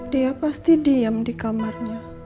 dia pasti diam di kamarnya